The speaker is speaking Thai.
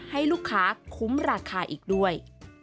ให้ลูกค้าคุ้มราคาอีกด้วย